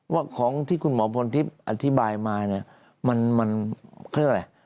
ว่าของที่คุณหมอพลทิศอธิบายมาเนี่ยมันมันคืออะไร